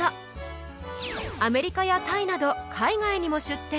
アメリカやタイなど海外にも出店。